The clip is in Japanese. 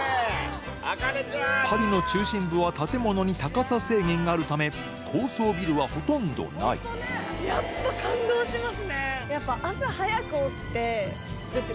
パリの中心部は建物に高さ制限があるため高層ビルはほとんどないやっぱ旅行のとき。